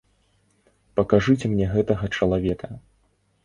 Пакажыце мне гэтага чалавека!